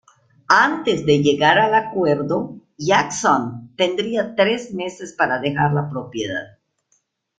Antes de llegar al acuerdo, Jackson tendría tres meses para dejar la propiedad.